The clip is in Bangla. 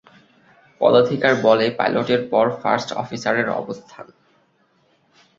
পদাধিকার বলে পাইলটের পর ফার্স্ট অফিসারের অবস্থান।